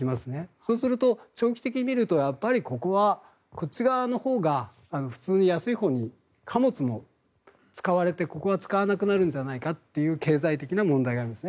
そうすると長期的に見るとこっち側のほうが普通に安いほうに貨物が使われてここが使われなくなるんじゃないかという経済的な問題があります。